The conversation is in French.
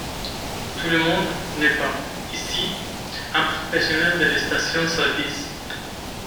Tout le monde n’est pas, ici, un professionnel de la station-service.